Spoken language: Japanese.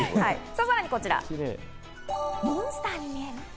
さらにこちら、モンスターに見える？